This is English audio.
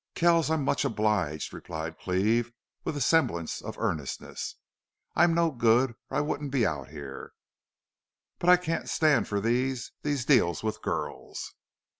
"Kells, I'm much obliged," replied Cleve, with a semblance of earnestness. "I'm no good or I wouldn't be out here... But I can't stand for these these deals with girls."